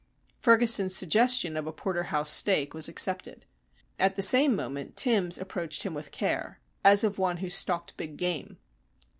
Ferguson's suggestion of a porter house steak was accepted. At the same moment Timbs approached him with care, as of one who stalked big game.